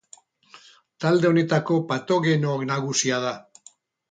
Talde honetako patogeno nagusia da.